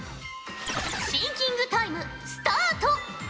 シンキングタイムスタート！